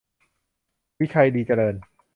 วิชัย ดีเจริญ